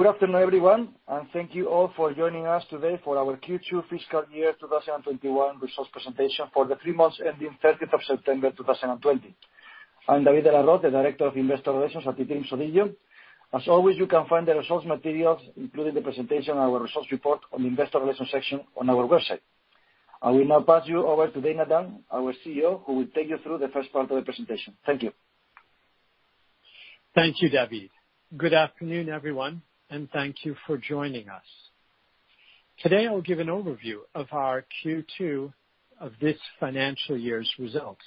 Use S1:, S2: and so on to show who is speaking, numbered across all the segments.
S1: Good afternoon, everyone, thank you all for joining us today for our Q2 fiscal year 2021 results presentation for the three months ending 30th of September 2020. I'm David de la Roz, the Director of Investor Relations at eDreams ODIGEO. As always, you can find the results materials, including the presentation and our results report on investor relations section on our website. I will now pass you over to Dana Dunne, our CEO, who will take you through the first part of the presentation. Thank you.
S2: Thank you, David. Good afternoon, everyone, and thank you for joining us. Today, I'll give an overview of our Q2 of this financial year's results,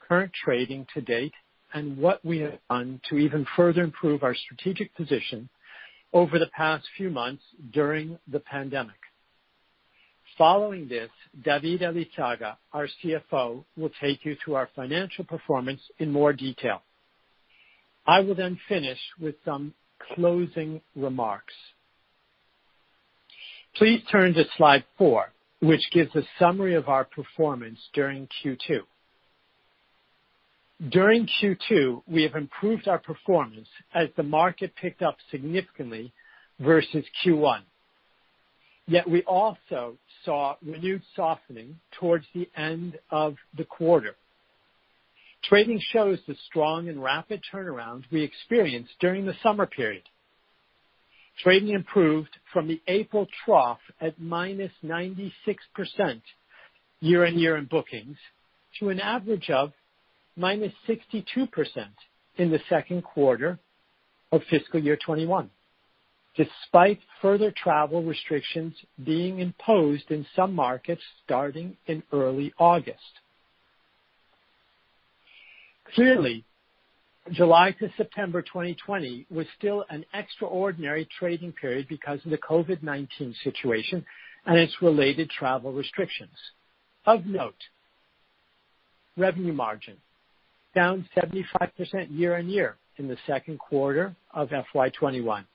S2: current trading to date, and what we have done to even further improve our strategic position over the past few months during the pandemic. Following this, David Elizaga, our CFO, will take you through our financial performance in more detail. I will then finish with some closing remarks. Please turn to slide four, which gives a summary of our performance during Q2. During Q2, we have improved our performance as the market picked up significantly versus Q1. We also saw renewed softening towards the end of the quarter. Trading shows the strong and rapid turnaround we experienced during the summer period. Trading improved from the April trough at -96% year-on-year in bookings to an average of -62% in the second quarter of fiscal year 2021, despite further travel restrictions being imposed in some markets starting in early August. Clearly, July to September 2020 was still an extraordinary trading period because of the COVID-19 situation and its related travel restrictions. Of note, revenue margin, down 75% year-on-year in the second quarter of FY 2021,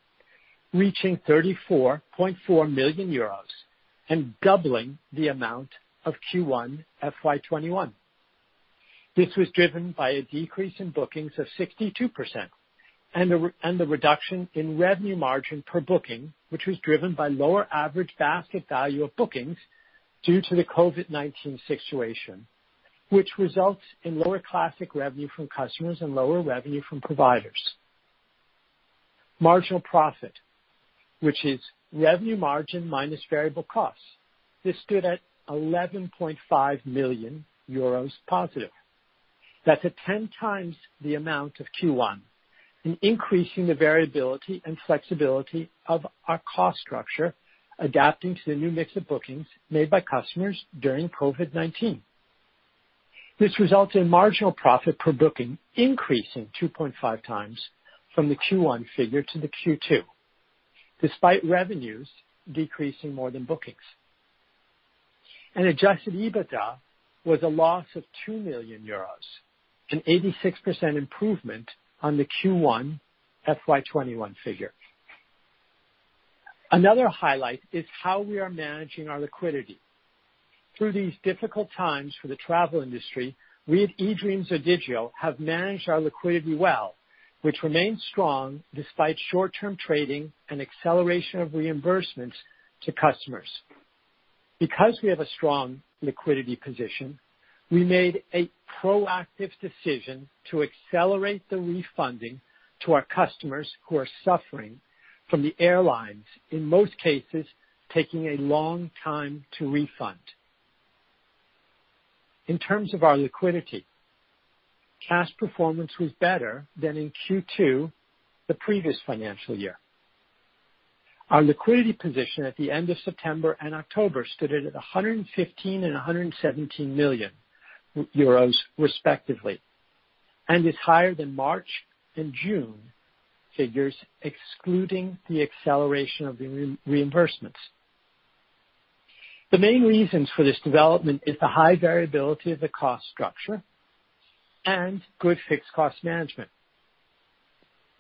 S2: reaching €34.4 million and doubling the amount of Q1 FY 2021. This was driven by a decrease in bookings of 62% and the reduction in revenue margin per booking, which was driven by lower average basket value of bookings due to the COVID-19 situation, which results in lower classic revenue from customers and lower revenue from providers. Marginal profit, which is revenue margin minus variable costs. This stood at €11.5 million positive. That's at 10 times the amount of Q1 in increasing the variability and flexibility of our cost structure, adapting to the new mix of bookings made by customers during COVID-19. This results in marginal profit per booking increasing 2.5 times from the Q1 figure to the Q2, despite revenues decreasing more than bookings. Adjusted EBITDA was a loss of 2 million euros, an 86% improvement on the Q1 FY 2021 figure. Another highlight is how we are managing our liquidity. Through these difficult times for the travel industry, we at eDreams ODIGEO have managed our liquidity well, which remains strong despite short-term trading and acceleration of reimbursements to customers. Because we have a strong liquidity position, we made a proactive decision to accelerate the refunding to our customers who are suffering from the airlines, in most cases, taking a long time to refund. In terms of our liquidity, cash performance was better than in Q2 the previous financial year. Our liquidity position at the end of September and October stood in at 115 million and 117 million euros respectively, and is higher than March and June figures, excluding the acceleration of the reimbursements. The main reasons for this development is the high variability of the cost structure and good fixed cost management.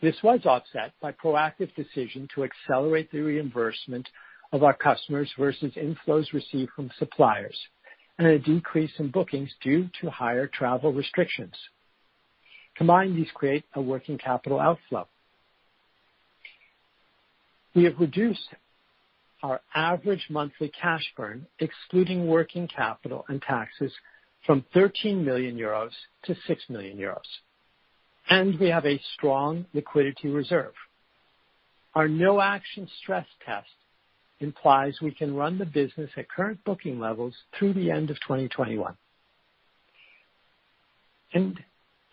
S2: This was offset by proactive decision to accelerate the reimbursement of our customers versus inflows received from suppliers, and a decrease in bookings due to higher travel restrictions. Combined, these create a working capital outflow. We have reduced our average monthly cash burn, excluding working capital and taxes, from 13 million euros to 6 million euros, and we have a strong liquidity reserve. Our no action stress test implies we can run the business at current booking levels through the end of 2021.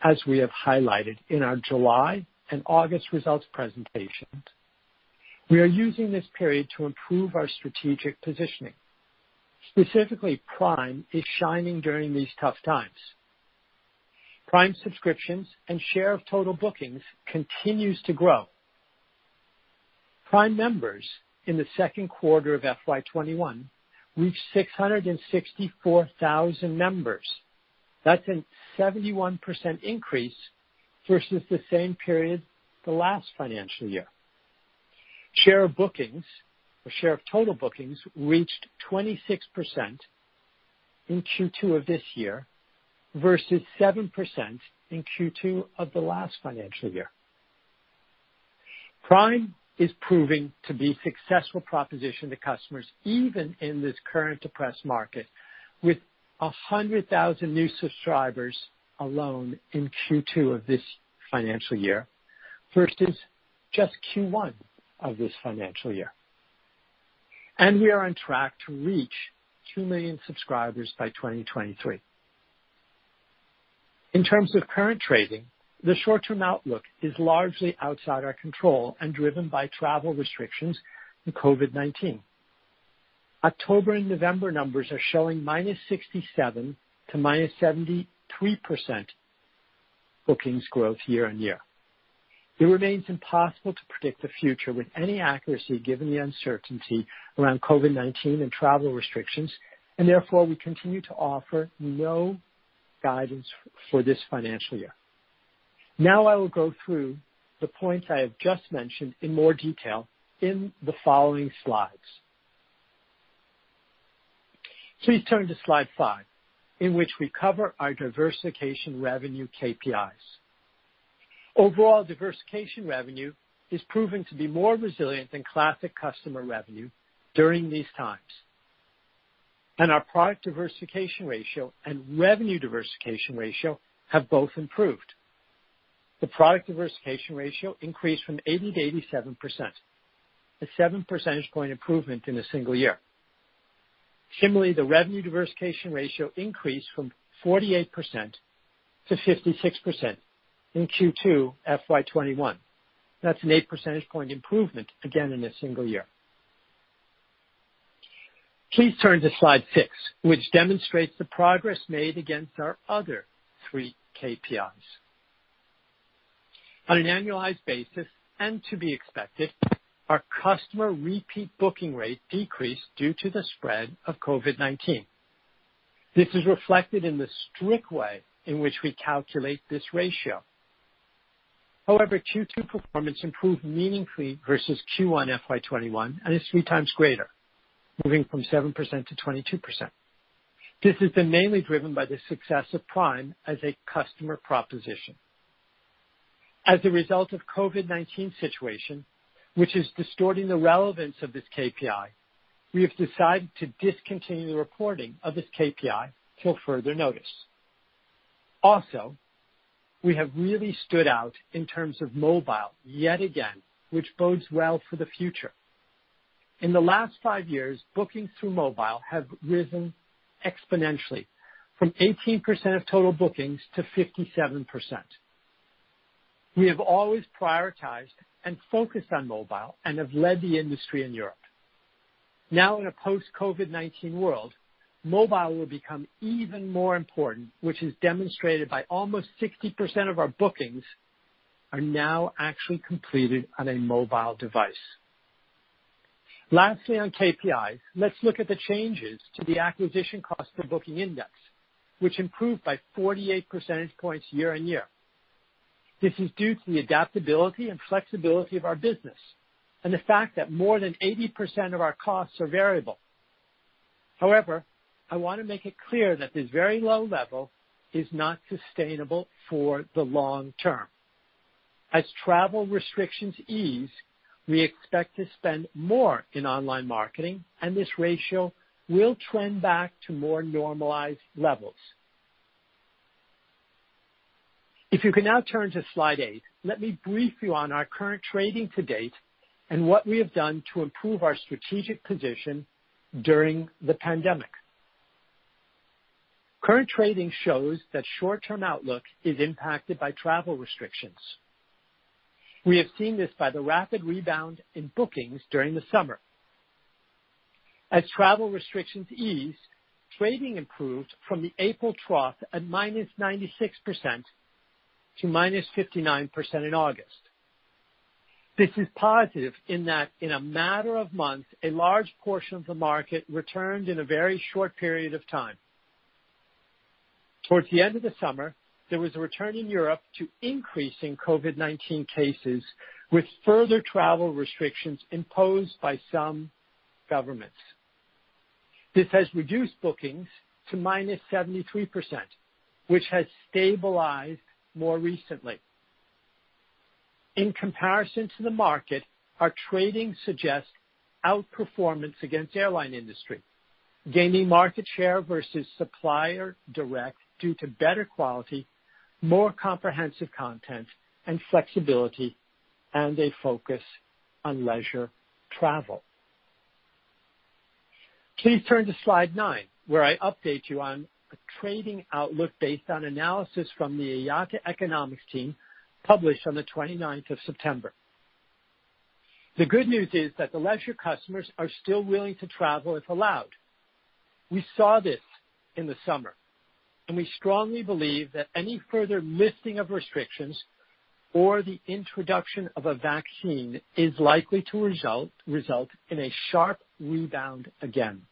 S2: As we have highlighted in our July and August results presentations, we are using this period to improve our strategic positioning. Specifically, Prime is shining during these tough times. Prime subscriptions and share of total bookings continues to grow. Prime members in the second quarter of FY 2021 reached 664,000 members. That's a 71% increase versus the same period the last financial year. Share of bookings, or share of total bookings, reached 26% in Q2 of this year versus 7% in Q2 of the last financial year. Prime is proving to be a successful proposition to customers, even in this current depressed market, with 100,000 new subscribers alone in Q2 of this financial year versus just Q1 of this financial year. We are on track to reach 2 million subscribers by 2023. In terms of current trading, the short-term outlook is largely outside our control and driven by travel restrictions and COVID-19. October and November numbers are showing -67% to -73% bookings growth year-on-year. It remains impossible to predict the future with any accuracy given the uncertainty around COVID-19 and travel restrictions, therefore, we continue to offer no guidance for this financial year. Now I will go through the points I have just mentioned in more detail in the following slides. Please turn to slide five, in which we cover our diversification revenue KPIs. Overall diversification revenue is proving to be more resilient than classic customer revenue during these times. Our product diversification ratio and revenue diversification ratio have both improved. The product diversification ratio increased from 80%-87%, a seven percentage point improvement in a single year. Similarly, the revenue diversification ratio increased from 48% to 56% in Q2 FY2021. That's an eight percentage point improvement, again, in a single year. Please turn to slide six, which demonstrates the progress made against our other three KPIs. On an annualized basis, and to be expected, our customer repeat booking rate decreased due to the spread of COVID-19. This is reflected in the strict way in which we calculate this ratio. However, Q2 performance improved meaningfully versus Q1 FY2021 and is three times greater, moving from 7%-22%. This has been mainly driven by the success of Prime as a customer proposition. As a result of COVID-19 situation, which is distorting the relevance of this KPI, we have decided to discontinue the reporting of this KPI till further notice. We have really stood out in terms of mobile, yet again, which bodes well for the future. In the last five years, bookings through mobile have risen exponentially, from 18% of total bookings to 57%. We have always prioritized and focused on mobile and have led the industry in Europe. Now, in a post-COVID-19 world, mobile will become even more important, which is demonstrated by almost 60% of our bookings are now actually completed on a mobile device. Lastly, on KPIs, let's look at the changes to the acquisition cost per booking index, which improved by 48 percentage points year-on-year. This is due to the adaptability and flexibility of our business, and the fact that more than 80% of our costs are variable. I want to make it clear that this very low level is not sustainable for the long term. As travel restrictions ease, we expect to spend more in online marketing, and this ratio will trend back to more normalized levels. If you can now turn to slide eight, let me brief you on our current trading to date and what we have done to improve our strategic position during the pandemic. Current trading shows that short-term outlook is impacted by travel restrictions. We have seen this by the rapid rebound in bookings during the summer. As travel restrictions ease, trading improved from the April trough at -96% to -59% in August. This is positive in that in a matter of months, a large portion of the market returned in a very short period of time. Towards the end of the summer, there was a return in Europe to increasing COVID-19 cases, with further travel restrictions imposed by some governments. This has reduced bookings to -73%, which has stabilized more recently. In comparison to the market, our trading suggests outperformance against airline industry, gaining market share versus supplier direct due to better quality, more comprehensive content, and flexibility, and a focus on leisure travel. Please turn to slide nine, where I update you on a trading outlook based on analysis from the IATA economics team, published on the 29th of September. The good news is that the leisure customers are still willing to travel if allowed. We saw this in the summer, we strongly believe that any further lifting of restrictions or the introduction of a vaccine is likely to result in a sharp rebound again.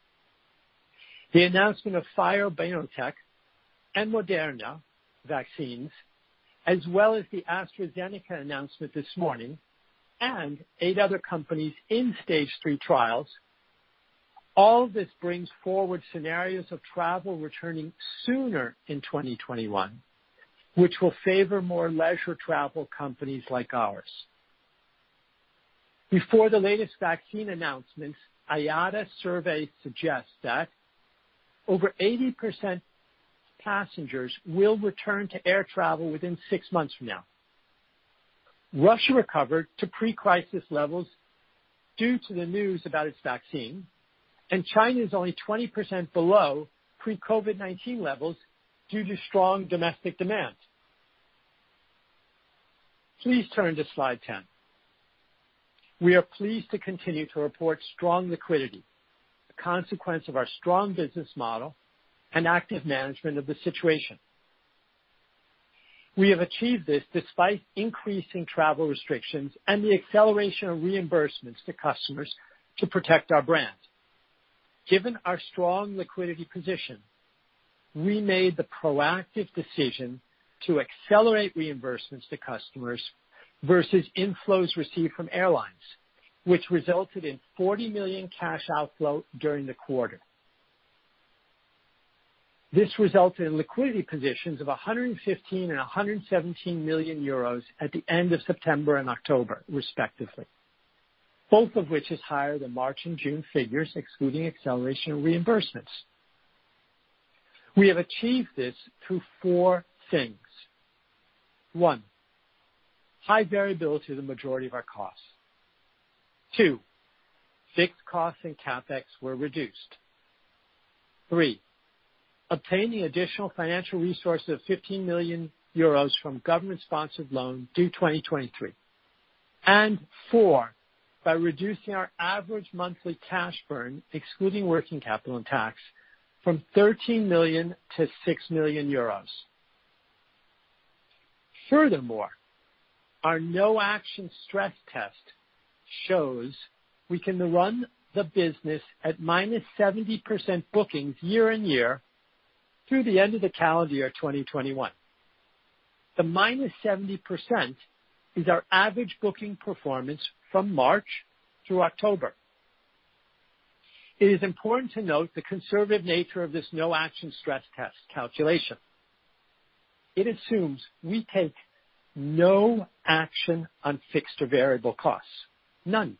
S2: The announcement of Pfizer-BioNTech and Moderna vaccines, as well as the AstraZeneca announcement this morning, and eight other companies in stage three trials. All this brings forward scenarios of travel returning sooner in 2021, which will favor more leisure travel companies like ours. Before the latest vaccine announcements, IATA survey suggests that over 80% passengers will return to air travel within six months from now. Russia recovered to pre-crisis levels due to the news about its vaccine, and China is only 20% below pre-COVID-19 levels due to strong domestic demand. Please turn to slide 10. We are pleased to continue to report strong liquidity, a consequence of our strong business model and active management of the situation. We have achieved this despite increasing travel restrictions and the acceleration of reimbursements to customers to protect our brand. Given our strong liquidity position, we made the proactive decision to accelerate reimbursements to customers versus inflows received from airlines, which resulted in 40 million cash outflow during the quarter. This resulted in liquidity positions of 115 and 117 million euros at the end of September and October, respectively, both of which is higher than March and June figures, excluding acceleration of reimbursements. We have achieved this through four things. One, high variability of the majority of our costs. Two, fixed costs and CapEx were reduced. Three, obtaining additional financial resources of 15 million euros from government-sponsored loan due 2023. Four, by reducing our average monthly cash burn, excluding working capital and tax, from 13 million-6 million euros. Furthermore, our no-action stress test shows we can run the business at -70% bookings year-on-year through the end of the calendar year 2021. The -70% is our average booking performance from March through October. It is important to note the conservative nature of this no-action stress test calculation. It assumes we take no action on fixed or variable costs. None.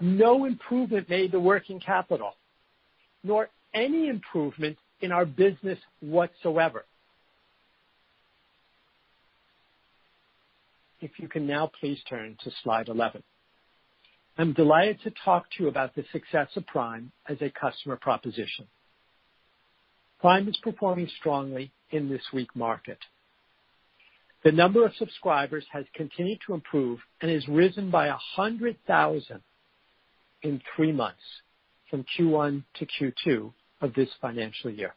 S2: No improvement made to working capital, nor any improvement in our business whatsoever. If you can now please turn to slide 11. I'm delighted to talk to you about the success of Prime as a customer proposition. Prime is performing strongly in this weak market. The number of subscribers has continued to improve and has risen by 100,000 in three months, from Q1 to Q2 of this financial year,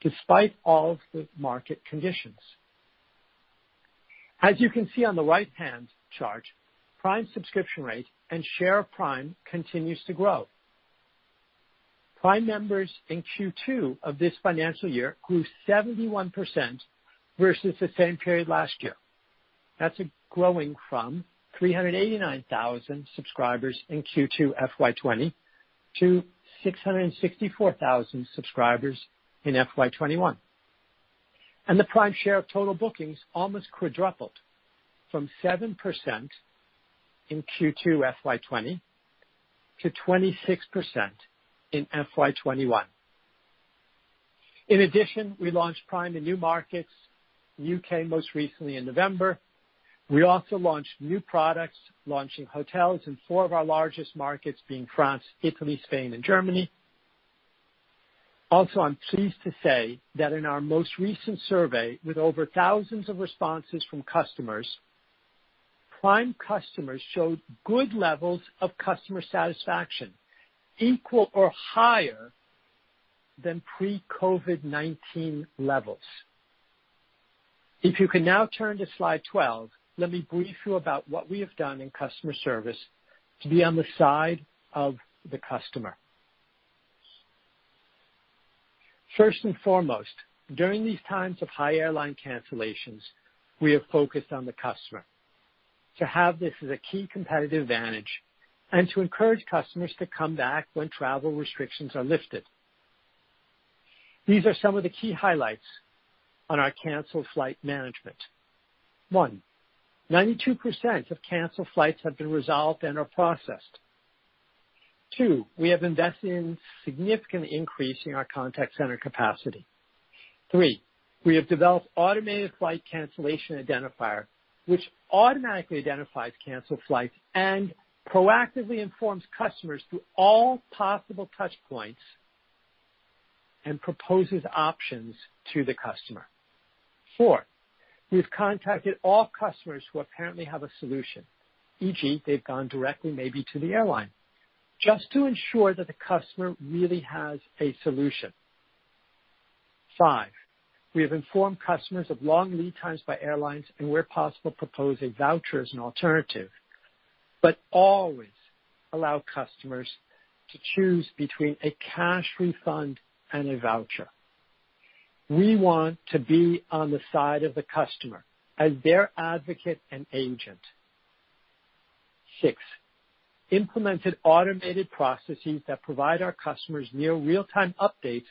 S2: despite all of the market conditions. As you can see on the right-hand chart, Prime subscription rate and share of Prime continues to grow. Prime members in Q2 of this financial year grew 71% versus the same period last year. That's it growing from 389,000 subscribers in Q2 FY 2020 to 664,000 subscribers in FY 2021. The Prime share of total bookings almost quadrupled from 7% in Q2 FY 2020 to 26% in FY 2021. In addition, we launched Prime in new markets, U.K. most recently in November. We also launched new products, launching hotels in 4 of our largest markets, being France, Italy, Spain, and Germany. I'm pleased to say that in our most recent survey, with over thousands of responses from customers, Prime customers showed good levels of customer satisfaction, equal or higher than pre-COVID-19 levels. If you can now turn to slide 12, let me brief you about what we have done in customer service to be on the side of the customer. First and foremost, during these times of high airline cancellations, we are focused on the customer to have this as a key competitive advantage and to encourage customers to come back when travel restrictions are lifted. These are some of the key highlights on our canceled flight management. One, 92% of canceled flights have been resolved and are processed. two, we have invested in significant increase in our contact center capacity. Three, we have developed automated flight cancellation identifier, which automatically identifies canceled flights and proactively informs customers through all possible touch points and proposes options to the customer. Four, we've contacted all customers who apparently have a solution, e.g., they've gone directly maybe to the airline, just to ensure that the customer really has a solution. Five, we have informed customers of long lead times by airlines and where possible, propose a voucher as an alternative. Always allow customers to choose between a cash refund and a voucher. We want to be on the side of the customer as their advocate and agent. Seven, implemented automated processes that provide our customers near real-time updates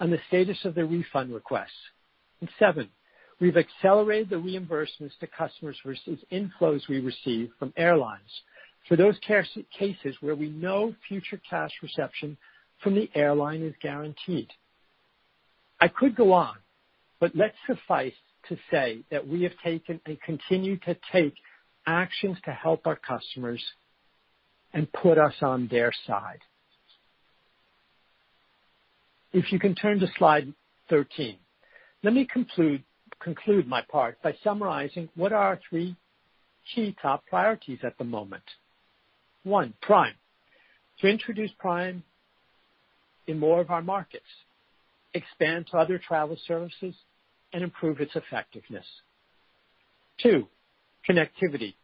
S2: on the status of their refund requests. Seven, we've accelerated the reimbursements to customers versus inflows we receive from airlines for those cases where we know future cash reception from the airline is guaranteed. I could go on, let's suffice to say that we have taken and continue to take actions to help our customers and put us on their side. If you can turn to slide 13. Let me conclude my part by summarizing what are our three key top priorities at the moment. One, Prime. To introduce Prime in more of our markets, expand to other travel services, and improve its effectiveness. Two, connectivity.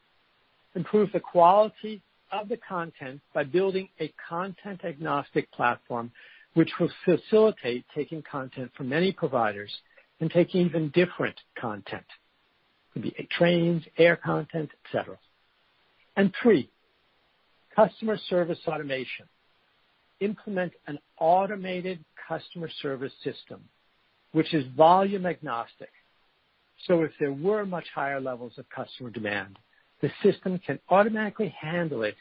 S2: Improve the quality of the content by building a content-agnostic platform, which will facilitate taking content from many providers and take even different content. It could be trains, air content, et cetera. Three, customer service automation. Implement an automated customer service system, which is volume agnostic. If there were much higher levels of customer demand, the system can automatically handle it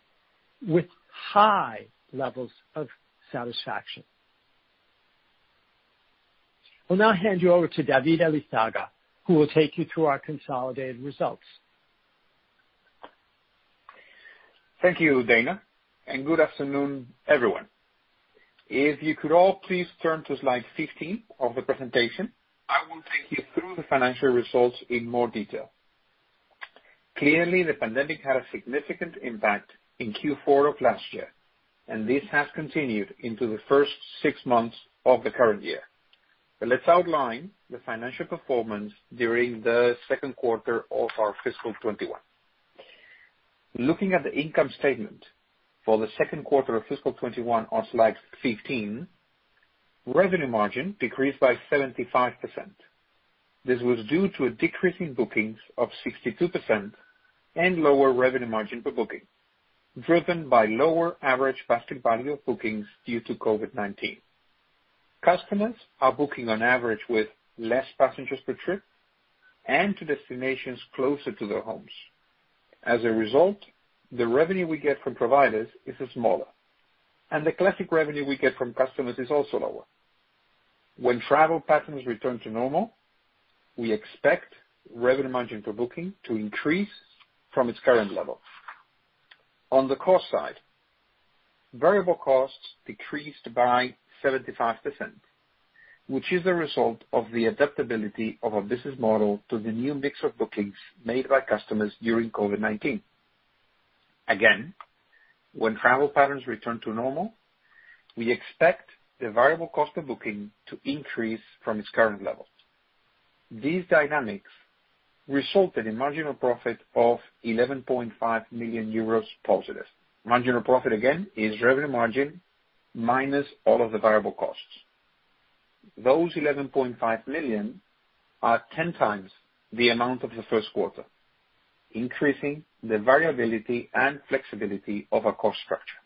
S2: with high levels of satisfaction. Will now hand you over to David Elizaga, who will take you through our consolidated results.
S3: Thank you, Dana, and good afternoon, everyone. If you could all please turn to slide 15 of the presentation, I will take you through the financial results in more detail. Clearly, the pandemic had a significant impact in Q4 of last year, and this has continued into the first six months of the current year. Let's outline the financial performance during the second quarter of our fiscal 2021. Looking at the income statement for the second quarter of fiscal 2021 on slide 15, revenue margin decreased by 75%. This was due to a decrease in bookings of 62% and lower revenue margin per booking, driven by lower average basket value of bookings due to COVID-19. Customers are booking on average with less passengers per trip and to destinations closer to their homes. As a result, the revenue we get from providers is smaller, and the classic revenue we get from customers is also lower. When travel patterns return to normal, we expect revenue margin per booking to increase from its current level. On the cost side, variable costs decreased by 75%, which is a result of the adaptability of our business model to the new mix of bookings made by customers during COVID-19. When travel patterns return to normal, we expect the variable cost per booking to increase from its current level. These dynamics resulted in marginal profit of €11.5 million positive. Marginal profit, again, is revenue margin minus all of the variable costs. Those 11.5 million are 10 times the amount of the first quarter, increasing the variability and flexibility of our cost structure.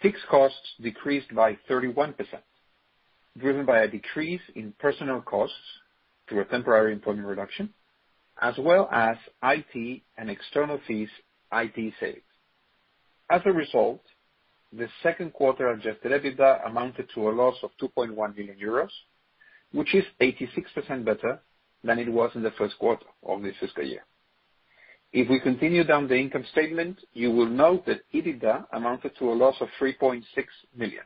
S3: Fixed costs decreased by 31%, driven by a decrease in personnel costs through a temporary employment reduction, as well as IT and external fees, IT savings. As a result, the second quarter adjusted EBITDA amounted to a loss of 2.1 million euros, which is 86% better than it was in the first quarter of this fiscal year. If we continue down the income statement, you will note that EBITDA amounted to a loss of 3.6 million.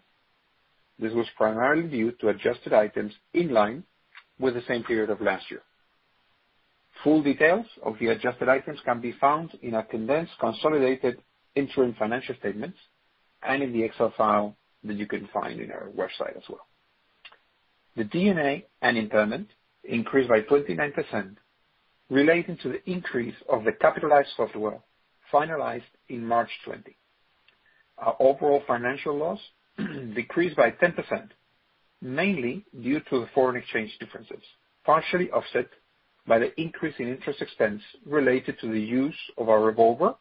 S3: This was primarily due to adjusted items in line with the same period of last year. Full details of the adjusted items can be found in our condensed consolidated interim financial statements and in the Excel file that you can find in our website as well. The D&A and impairment increased by 29%, relating to the increase of the capitalized software finalized in March 2020. Our overall financial loss decreased by 10%, mainly due to the foreign exchange differences, partially offset by the increase in interest expense related to the use of our revolver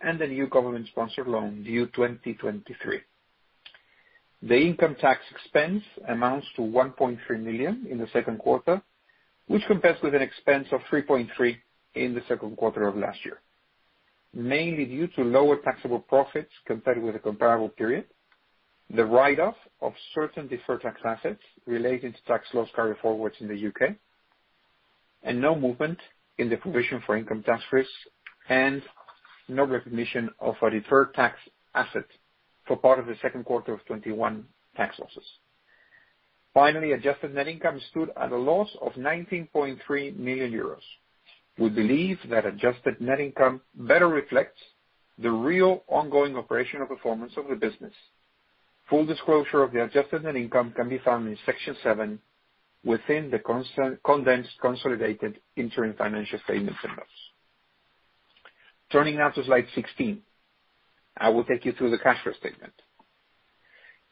S3: and the new government-sponsored loan due 2023. The income tax expense amounts to 1.3 million in the second quarter, which compares with an expense of 3.3 million in the second quarter of last year, mainly due to lower taxable profits compared with the comparable period, the write-off of certain deferred tax assets relating to tax loss carryforwards in the U.K., and no movement in the provision for income tax risks, and no recognition of a deferred tax asset for part of the second quarter of 2021 tax losses. Finally, adjusted net income stood at a loss of 19.3 million euros. We believe that adjusted net income better reflects the real ongoing operational performance of the business. Full disclosure of the adjusted net income can be found in Section seven within the condensed consolidated interim financial statements and notes. Turning now to slide 16, I will take you through the cash flow statement.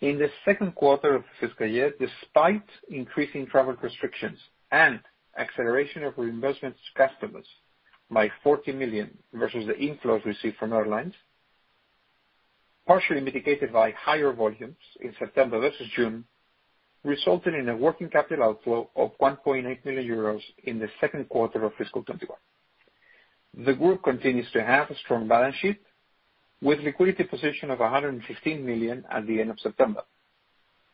S3: In the second quarter of the fiscal year, despite increasing travel restrictions and acceleration of reimbursements to customers by 40 million versus the inflows received from airlines, partially mitigated by higher volumes in September versus June, resulted in a working capital outflow of 1.8 million euros in the second quarter of fiscal '21. The group continues to have a strong balance sheet with liquidity position of 115 million at the end of September,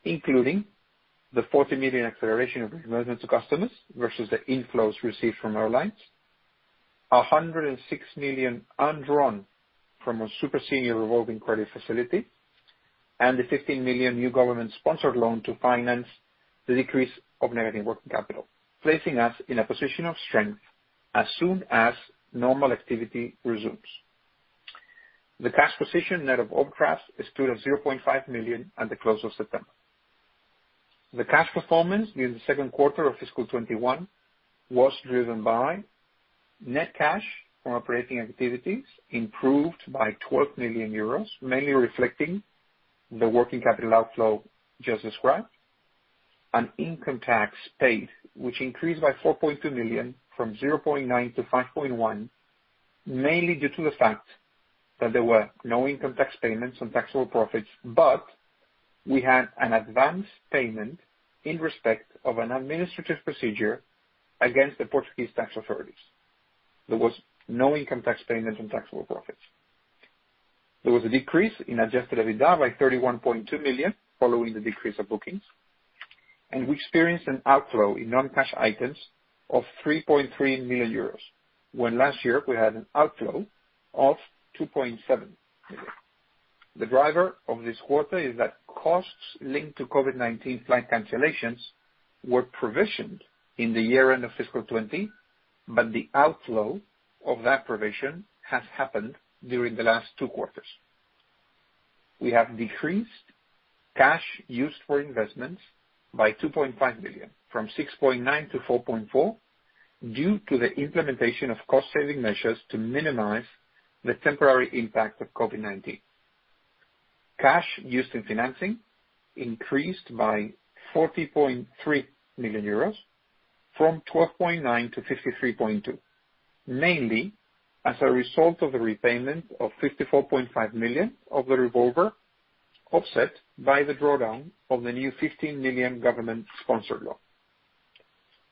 S3: including the 40 million acceleration of reimbursements to customers versus the inflows received from airlines, 106 million undrawn from a super senior revolving credit facility, and the 15 million new government-sponsored loan to finance the decrease of negative working capital, placing us in a position of strength as soon as normal activity resumes. The cash position net of overdrafts stood at 0.5 million at the close of September. The cash performance during the second quarter of fiscal 2021 was driven by net cash from operating activities improved by 12 million euros, mainly reflecting the working capital outflow just described, and income tax paid, which increased by 4.2 million from 0.9-5.1, mainly due to the fact that there were no income tax payments on taxable profits, but we had an advance payment in respect of an administrative procedure against the Portuguese tax authorities. There was no income tax payment on taxable profits. There was a decrease in adjusted EBITDA by 31.2 million, following the decrease of bookings. We experienced an outflow in non-cash items of 3.3 million euros, when last year we had an outflow of 2.7 million. The driver of this quarter is that costs linked to COVID-19 flight cancellations were provisioned in the year end of fiscal 2020, but the outflow of that provision has happened during the last two quarters. We have decreased cash used for investments by 2.5 million, from 6.9-4.4, due to the implementation of cost-saving measures to minimize the temporary impact of COVID-19. Cash used in financing increased by 40.3 million euros from 12.9-53.2 euros, mainly as a result of the repayment of 54.5 million of the revolver, offset by the drawdown of the new 15 million government-sponsored loan.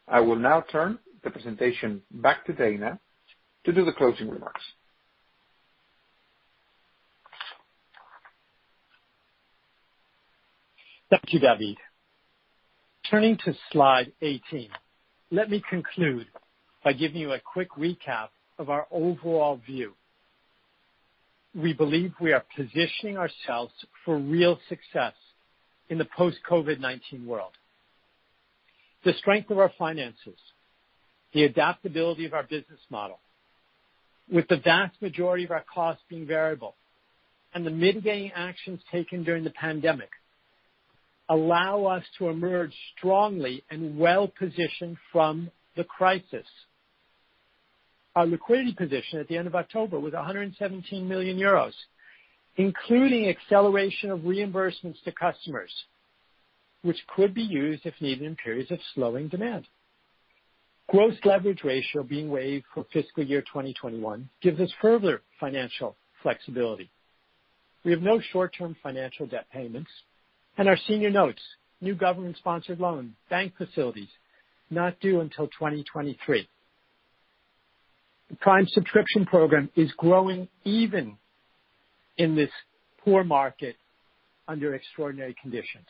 S3: I will now turn the presentation back to Dana to do the closing remarks.
S2: Thank you, David. Turning to slide 18, let me conclude by giving you a quick recap of our overall view. We believe we are positioning ourselves for real success in the post-COVID-19 world. The strength of our finances, the adaptability of our business model, with the vast majority of our costs being variable, and the mitigating actions taken during the pandemic, allow us to emerge strongly and well-positioned from the crisis. Our liquidity position at the end of October was 117 million euros, including acceleration of reimbursements to customers, which could be used if needed in periods of slowing demand. Gross leverage ratio being waived for fiscal year 2021 gives us further financial flexibility. We have no short-term financial debt payments, and our senior notes, new government-sponsored loan, bank facilities, not due until 2023. The Prime Subscription program is growing even in this poor market under extraordinary conditions.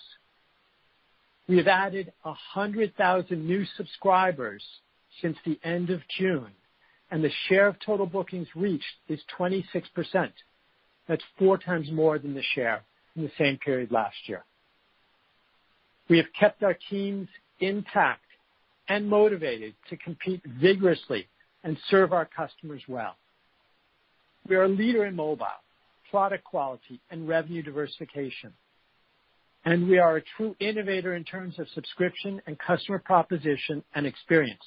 S2: We have added 100,000 new subscribers since the end of June, and the share of total bookings reached is 26%. That's four times more than the share in the same period last year. We have kept our teams intact and motivated to compete vigorously and serve our customers well. We are a leader in mobile, product quality, and revenue diversification, and we are a true innovator in terms of subscription and customer proposition and experience.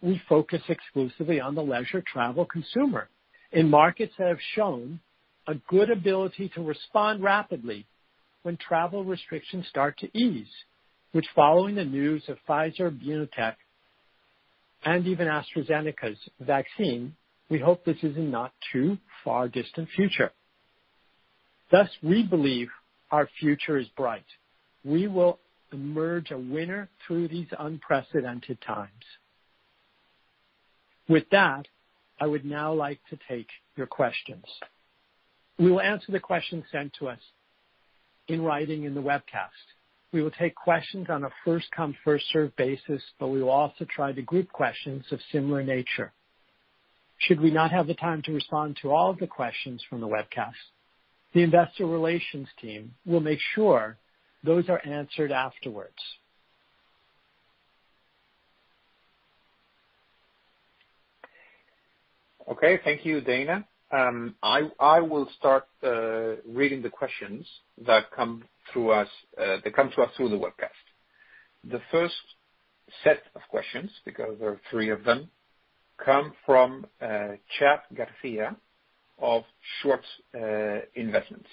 S2: We focus exclusively on the leisure travel consumer in markets that have shown a good ability to respond rapidly when travel restrictions start to ease, which, following the news of Pfizer, BioNTech, and even AstraZeneca's vaccine, we hope this is a not too far distant future. Thus, we believe our future is bright. We will emerge a winner through these unprecedented times. With that, I would now like to take your questions. We will answer the questions sent to us in writing in the webcast. We will take questions on a first come, first serve basis. We will also try to group questions of similar nature. Should we not have the time to respond to all of the questions from the webcast, the investor relations team will make sure those are answered afterwards.
S3: Thank you, Dana. I will start reading the questions that come to us through the webcast. The first set of questions, because there are three of them, come from Chadd Garcia of Schwartz Investments.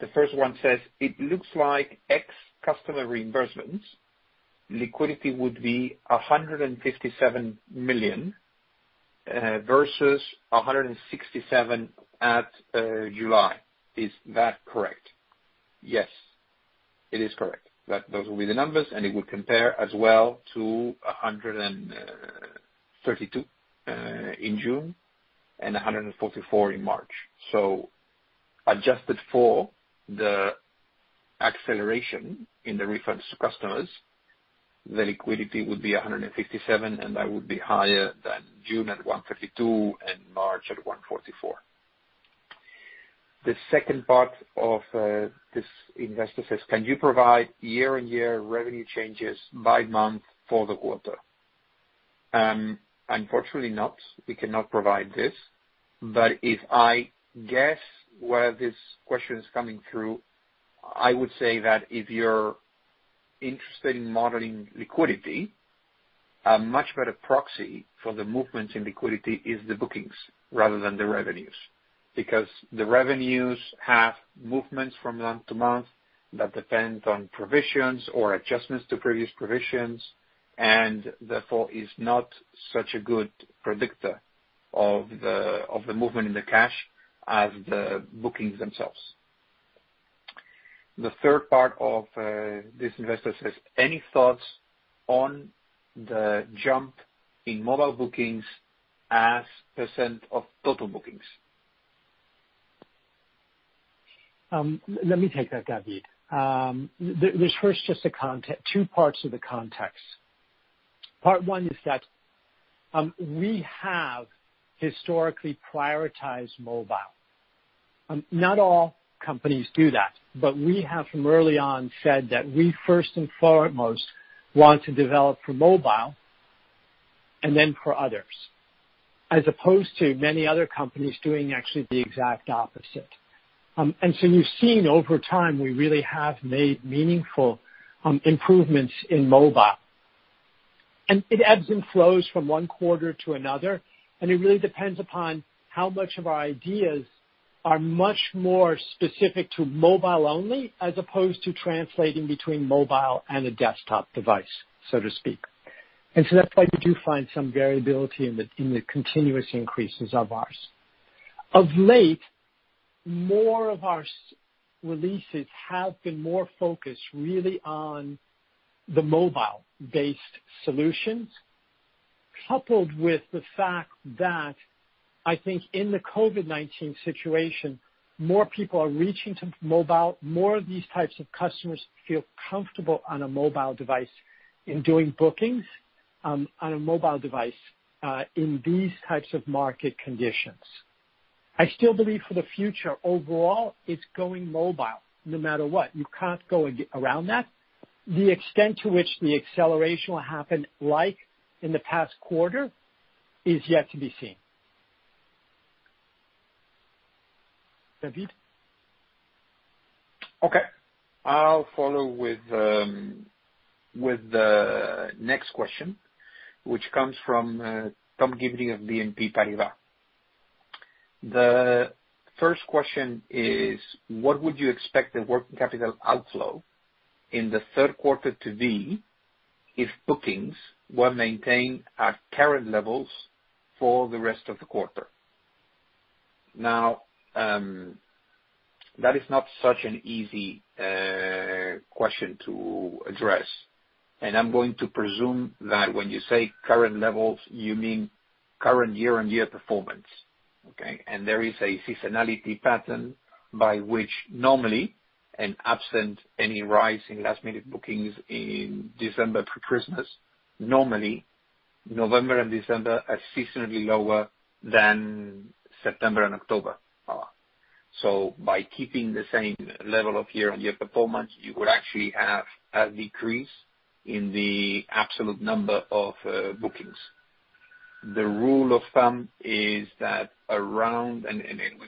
S3: The first one says, "It looks like ex customer reimbursements, liquidity would be 157 million versus 167 at July. Is that correct?" Yes, it is correct. Those will be the numbers, it will compare as well to 132 in June and 144 in March. Adjusted for the acceleration in the refunds to customers, the liquidity would be 157, and that would be higher than June at 132 and March at 144. The second part of this investor says, "Can you provide year-on-year revenue changes by month for the quarter?" Unfortunately not. We cannot provide this. If I guess where this question is coming through, I would say that if you're interested in modeling liquidity, a much better proxy for the movements in liquidity is the bookings rather than the revenues, because the revenues have movements from month to month that depend on provisions or adjustments to previous provisions, and therefore is not such a good predictor of the movement in the cash as the bookings themselves. The third part of this investor says, "Any thoughts on the jump in mobile bookings as % of total bookings?
S2: Let me take that, David. There's first just two parts of the context. Part one is that we have historically prioritized mobile. Not all companies do that, but we have from early on said that we first and foremost want to develop for mobile and then for others, as opposed to many other companies doing actually the exact opposite. You've seen over time, we really have made meaningful improvements in mobile. It ebbs and flows from one quarter to another, and it really depends upon how much of our ideas are much more specific to mobile only, as opposed to translating between mobile and a desktop device, so to speak. That's why we do find some variability in the continuous increases of ours. Of late, more of our releases have been more focused really on the mobile-based solutions, coupled with the fact that I think in the COVID-19 situation, more people are reaching to mobile. More of these types of customers feel comfortable on a mobile device in doing bookings on a mobile device in these types of market conditions. I still believe for the future, overall, it's going mobile no matter what. You can't go around that. The extent to which the acceleration will happen, like in the past quarter, is yet to be seen. David?
S3: Okay. I'll follow with the next question, which comes from Tom Gibney of BNP Paribas. The first question is: What would you expect the working capital outflow in the third quarter to be if bookings were maintained at current levels for the rest of the quarter? That is not such an easy question to address. I'm going to presume that when you say current levels, you mean current year-on-year performance, okay? There is a seasonality pattern by which normally, and absent any rise in last-minute bookings in December for Christmas, normally November and December are seasonally lower than September and October are. By keeping the same level of year-on-year performance, you would actually have a decrease in the absolute number of bookings. The rule of thumb is that around a 10%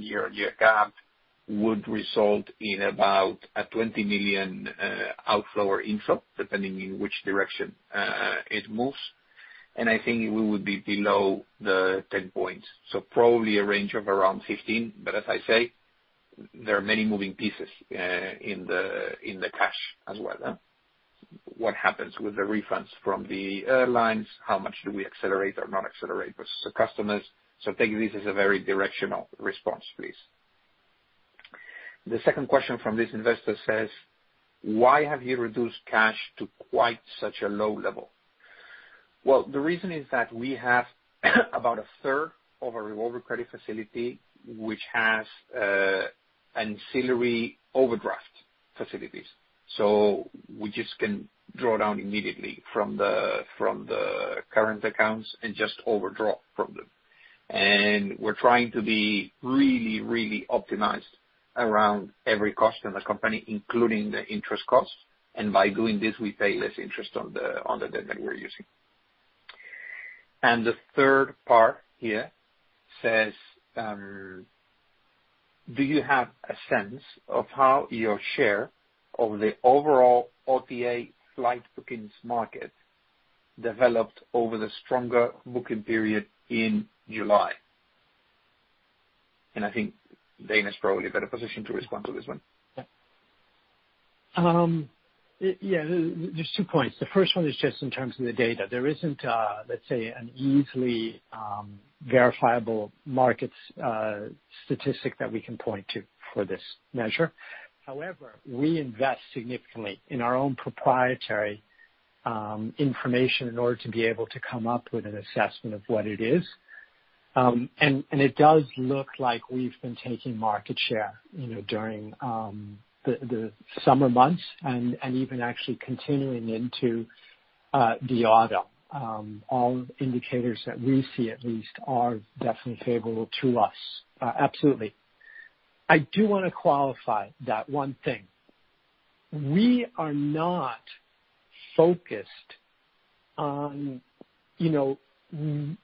S3: year-on-year gap would result in about a 20 million outflow or inflow, depending on which direction it moves. I think we would be below the 10 points. Probably a range of around 15. As I say, there are many moving pieces in the cash as well. What happens with the refunds from the airlines? How much do we accelerate or not accelerate versus the customers? Take this as a very directional response, please. The second question from this investor says: Why have you reduced cash to quite such a low level? Well, the reason is that we have about a third of a revolver credit facility which has ancillary overdraft facilities. We just can draw down immediately from the current accounts and just overdraw from them. We're trying to be really, really optimized around every cost in the company, including the interest costs. By doing this, we pay less interest on the debt that we're using. The third part here says, "Do you have a sense of how your share of the overall OTA flight bookings market developed over the stronger booking period in July?" I think Dana's probably better positioned to respond to this one.
S2: Yeah. There's two points. The first one is just in terms of the data. There isn't, let's say, an easily verifiable markets statistic that we can point to for this measure. However, we invest significantly in our own proprietary information in order to be able to come up with an assessment of what it is. It does look like we've been taking market share during the summer months and even actually continuing into the autumn. All indicators that we see at least are definitely favorable to us. Absolutely. I do want to qualify that one thing. We are not focused on 100%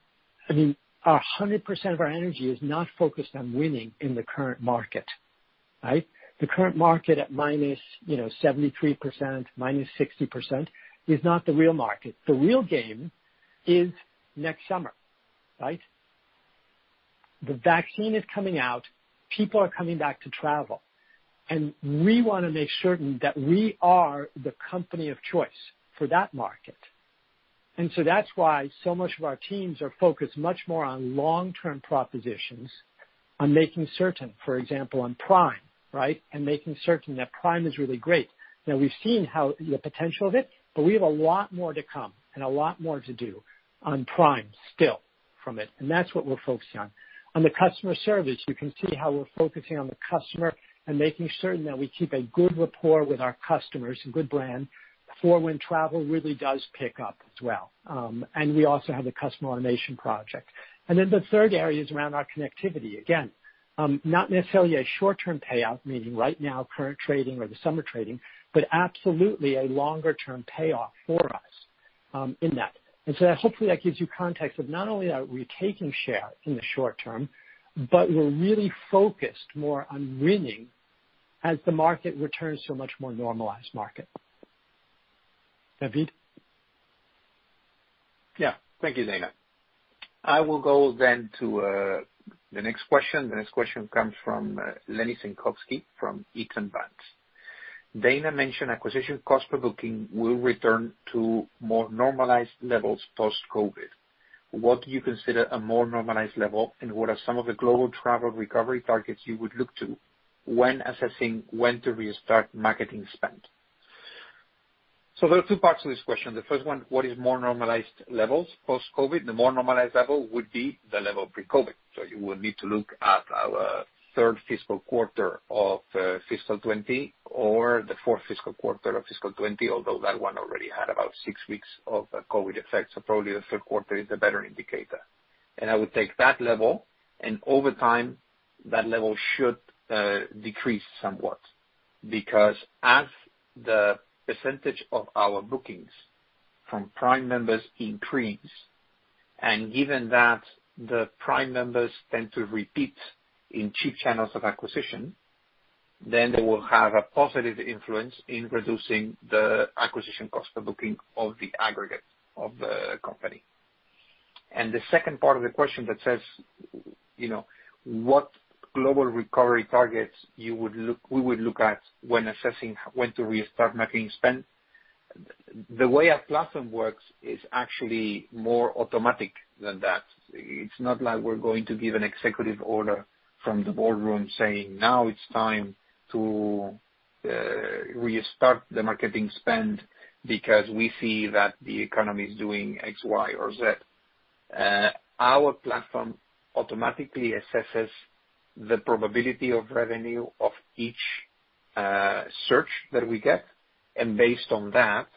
S2: of our energy is not focused on winning in the current market, right? The current market at -73%, -60%, is not the real market. The real game is next summer, right? The vaccine is coming out, people are coming back to travel, we want to make certain that we are the company of choice for that market. That's why so much of our teams are focused much more on long-term propositions, on making certain, for example, on Prime, right? Making certain that Prime is really great. Now, we've seen the potential of it, but we have a lot more to come and a lot more to do on Prime still from it. That's what we're focusing on. On the customer service, you can see how we're focusing on the customer and making certain that we keep a good rapport with our customers, a good brand, for when travel really does pick up as well. We also have the customer automation project. The third area is around our connectivity. Again, not necessarily a short-term payout, meaning right now, current trading or the summer trading, but absolutely a longer-term payoff for us in that. Hopefully that gives you context of not only are we taking share in the short term, but we're really focused more on winning as the market returns to a much more normalized market. David?
S3: Thank you, Dana. I will go to the next question. The next question comes from Lenny Senkovsky from Eaton Vance. "Dana mentioned acquisition cost per booking will return to more normalized levels post-COVID. What do you consider a more normalized level, and what are some of the global travel recovery targets you would look to when assessing when to restart marketing spend?" There are two parts to this question. The first one, what is more normalized levels post-COVID? The more normalized level would be the level pre-COVID. You would need to look at our third fiscal quarter of fiscal 2020 or the fourth fiscal quarter of fiscal 2020, although that one already had about six weeks of COVID effects, probably the third quarter is the better indicator. I would take that level, and over time, that level should decrease somewhat, because as the percentage of our bookings from Prime members increase, and given that the Prime members tend to repeat in cheap channels of acquisition, then they will have a positive influence in reducing the acquisition cost per booking of the aggregate of the company. The second part of the question that says, what global recovery targets we would look at when assessing when to restart marketing spend? The way our platform works is actually more automatic than that. It's not like we're going to give an executive order from the boardroom saying, "Now it's time to restart the marketing spend because we see that the economy is doing X, Y, or Z." Our platform automatically assesses the probability of revenue of each search that we get, and based on that,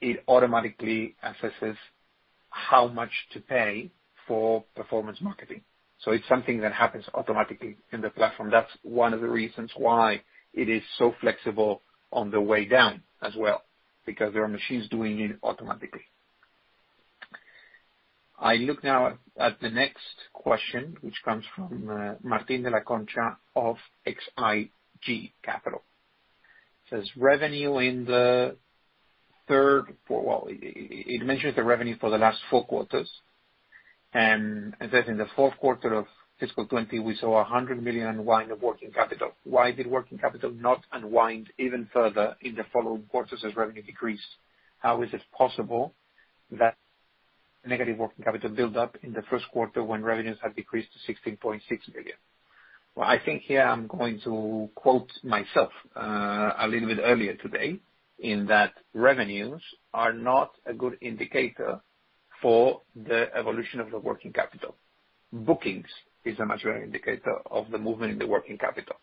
S3: it automatically assesses how much to pay for performance marketing. It's something that happens automatically in the platform. That's one of the reasons why it is so flexible on the way down as well, because there are machines doing it automatically. I look now at the next question, which comes from Martin de la Concha of XIG Capital. It says, "Revenue in the third" Well, it mentions the revenue for the last four quarters, and says, "In the fourth quarter of fiscal 2020, we saw 100 million unwind of working capital. Why did working capital not unwind even further in the following quarters as revenue decreased? How is it possible that negative working capital built up in the first quarter when revenues had decreased to 16.6 million? Well, I think here I'm going to quote myself a little bit earlier today, in that revenues are not a good indicator for the evolution of the working capital. Bookings is a much better indicator of the movement in the working capital.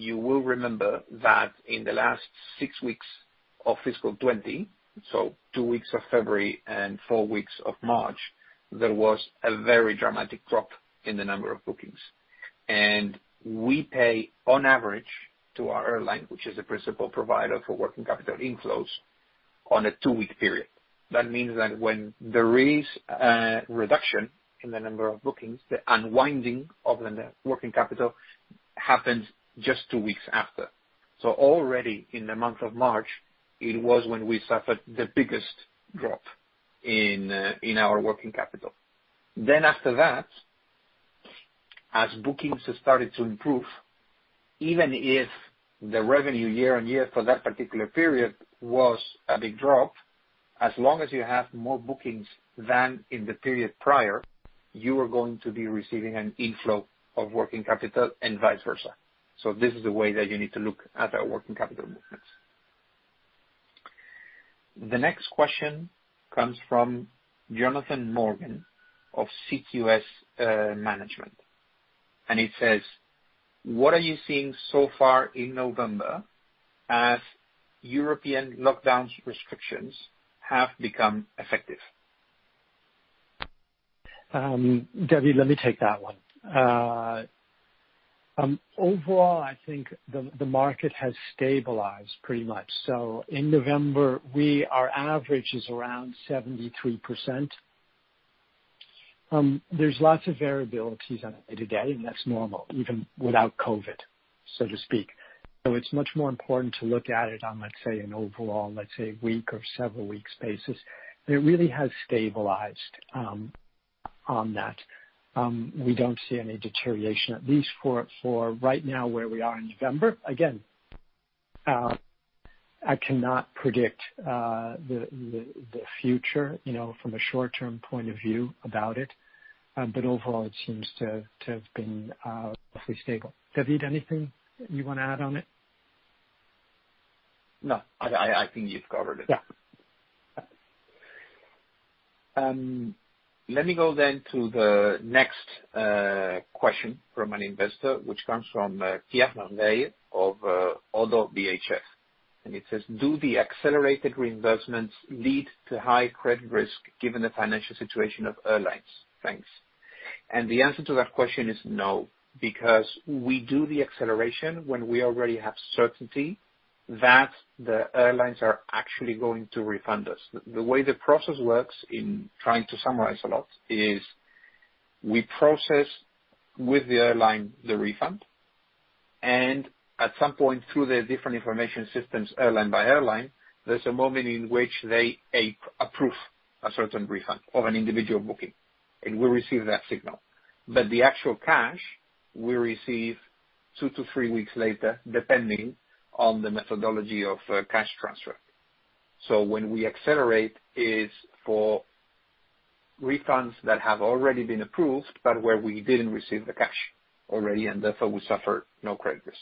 S3: You will remember that in the last six weeks of FY 2020, so two weeks of February and four weeks of March, there was a very dramatic drop in the number of bookings. We pay, on average, to our airline, which is the principal provider for working capital inflows, on a two-week period. That means that when there is a reduction in the number of bookings, the unwinding of the working capital happens just two weeks after. Already in the month of March, it was when we suffered the biggest drop in our working capital. After that, as bookings started to improve, even if the revenue year-over-year for that particular period was a big drop, as long as you have more bookings than in the period prior, you are going to be receiving an inflow of working capital, and vice versa. This is the way that you need to look at our working capital movements. The next question comes from Jonathan Morgan of CQS Management, and it says, "What are you seeing so far in November as European lockdown restrictions have become effective?
S2: David, let me take that one. I think the market has stabilized pretty much. In November, our average is around 73%. There's lots of variabilities on a day-to-day, and that's normal, even without COVID, so to speak. It's much more important to look at it on, let's say, an overall week or several weeks basis. It really has stabilized on that. We don't see any deterioration, at least for right now, where we are in November. I cannot predict the future from a short-term point of view about it. Overall, it seems to have been awfully stable. David, anything you want to add on it?
S3: No, I think you've covered it.
S2: Yeah.
S3: Let me go then to the next question from an investor, which comes from Pierre Mandet of Oddo BHF. It says, "Do the accelerated reimbursements lead to high credit risk given the financial situation of airlines? Thanks." The answer to that question is no, because we do the acceleration when we already have certainty that the airlines are actually going to refund us. The way the process works, in trying to summarize a lot, is we process with the airline the refund, and at some point through their different information systems, airline by airline, there's a moment in which they approve a certain refund of an individual booking, and we receive that signal. The actual cash we receive two to three weeks later, depending on the methodology of cash transfer. When we accelerate is for refunds that have already been approved, but where we didn't receive the cash already, and therefore, we suffer no credit risk.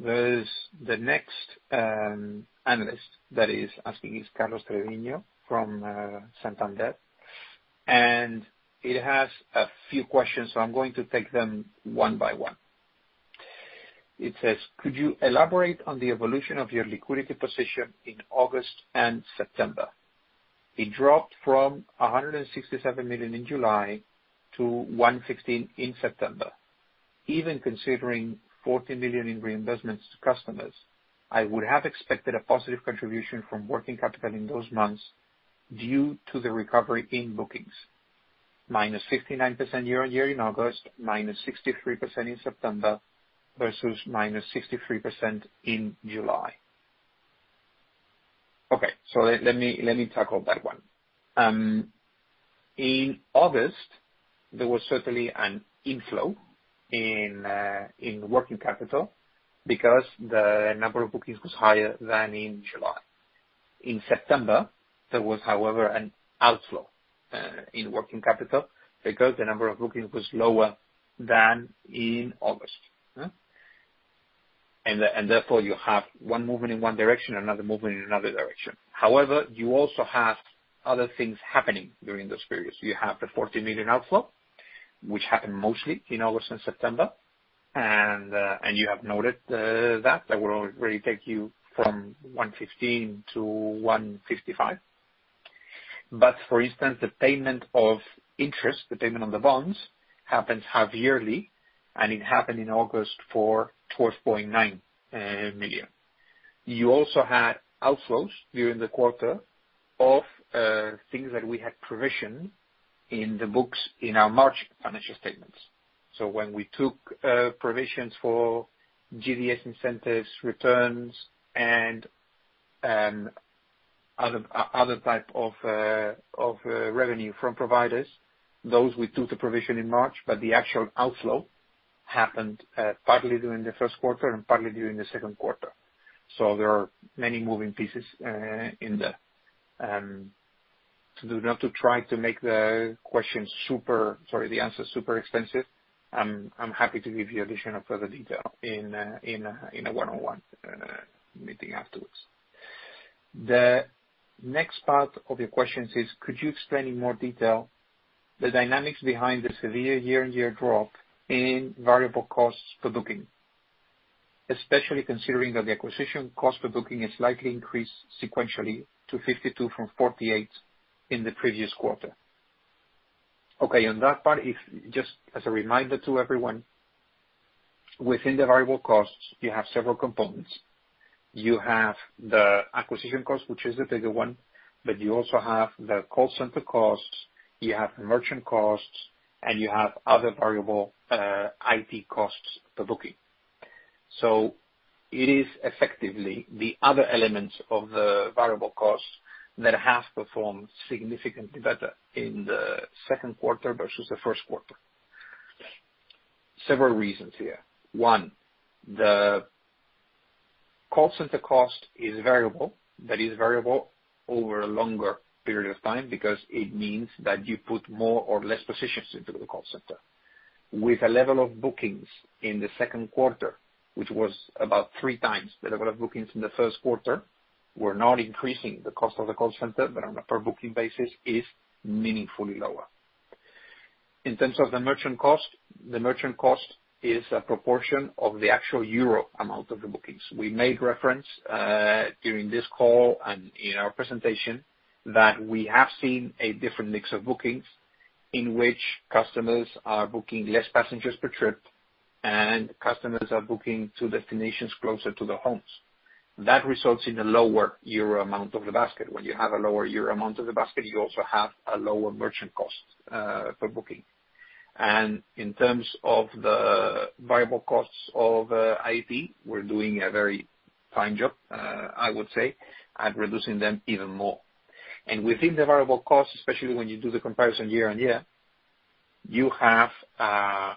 S3: There is the next analyst that is asking. It's Carlos Treviño from Santander, and it has a few questions, so I'm going to take them one by one. It says, "Could you elaborate on the evolution of your liquidity position in August and September? It dropped from 167 million in July to 116 million in September. Even considering 40 million in reimbursements to customers, I would have expected a positive contribution from working capital in those months due to the recovery in bookings, -59% year-on-year in August, -63% in September versus -63% in July." Okay. Let me tackle that one. In August, there was certainly an inflow in working capital because the number of bookings was higher than in July. In September, there was, however, an outflow in working capital because the number of bookings was lower than in August. Therefore, you have one movement in one direction and another movement in another direction. However, you also have other things happening during those periods. You have the 40 million outflow, which happened mostly in August and September, and you have noted that will already take you from 115-155. For instance, the payment of interest, the payment on the bonds happens half yearly, and it happened in August for 12.9 million. You also had outflows during the quarter of things that we had provisioned in the books in our March financial statements. When we took provisions for GDS incentives, returns, and other type of revenue from providers, those we took the provision in March, but the actual outflow happened partly during the first quarter and partly during the second quarter. There are many moving pieces in there. Not to try to make the answer super extensive, I'm happy to give you additional further detail in a one-on-one meeting afterwards. The next part of your question is, could you explain in more detail the dynamics behind the severe year-on-year drop in variable costs per booking, especially considering that the acquisition cost per booking has slightly increased sequentially to 52 from 48 in the previous quarter? Okay, on that part, just as a reminder to everyone, within the variable costs, you have several components. You have the acquisition cost, which is the bigger one, but you also have the call center costs, you have merchant costs, and you have other variable IT costs per booking. It is effectively the other elements of the variable costs that have performed significantly better in the second quarter versus the first quarter. Several reasons here. One, the call center cost is variable, but is variable over a longer period of time because it means that you put more or less positions into the call center. With a level of bookings in the second quarter, which was about three times the level of bookings in the first quarter, we're not increasing the cost of the call center, but on a per booking basis, it's meaningfully lower. In terms of the merchant cost, the merchant cost is a proportion of the actual EUR amount of the bookings. We made reference, during this call and in our presentation, that we have seen a different mix of bookings in which customers are booking less passengers per trip, and customers are booking to destinations closer to their homes. That results in a lower EUR amount of the basket. When you have a lower EUR amount of the basket, you also have a lower merchant cost per booking. In terms of the variable costs of IT, we're doing a very fine job, I would say, at reducing them even more. Within the variable costs, especially when you do the comparison year-on-year, you have a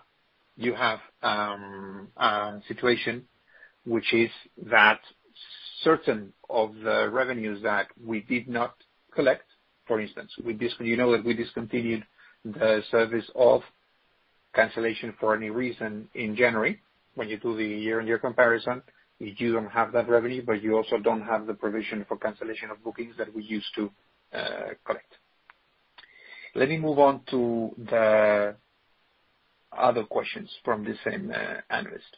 S3: situation, which is that certain of the revenues that we did not collect, for instance, you know that we discontinued the service of cancellation for any reason in January. When you do the year-on-year comparison, you don't have that revenue, but you also don't have the provision for cancellation of bookings that we used to collect. Let me move on to the other questions from the same analyst.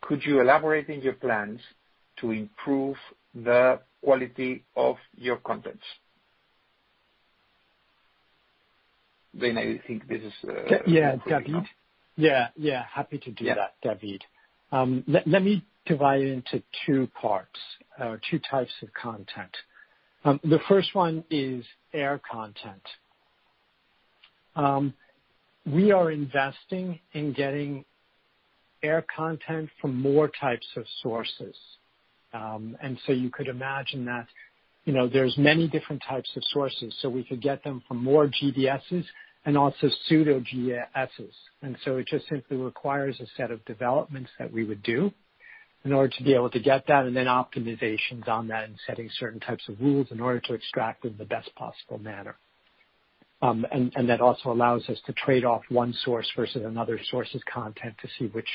S3: Could you elaborate on your plans to improve the quality of your contents? Dana.
S2: Yeah.
S3: For you.
S2: Yeah. Happy to do that, David.
S3: Yeah.
S2: Let me divide it into two parts, or two types of content. The first one is air content. We are investing in getting air content from more types of sources. You could imagine that there's many different types of sources. We could get them from more GDSs and also pseudo GDSs. It just simply requires a set of developments that we would do in order to be able to get that, and then optimizations on that and setting certain types of rules in order to extract it in the best possible manner. That also allows us to trade off one source versus another source of content to see which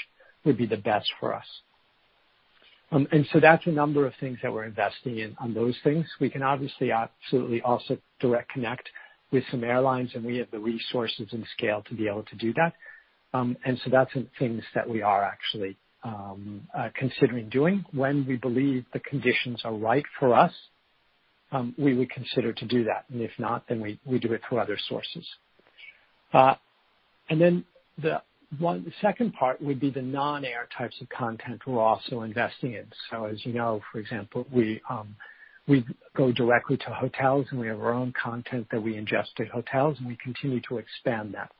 S2: would be the best for us. That's a number of things that we're investing in on those things. We can obviously, absolutely also direct connect with some airlines, and we have the resources and scale to be able to do that. That's the things that we are actually considering doing. When we believe the conditions are right for us, we would consider to do that. If not, we do it through other sources. The second part would be the non-air types of content we're also investing in. As you know, for example, we go directly to hotels, and we have our own content that we ingest at hotels, and we continue to expand that,